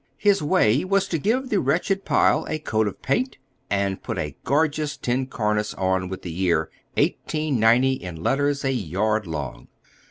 His way was to give the wretched pile a coat of paint, and put a gorgeous tin cornice on with the year 1890 in letters a yard long.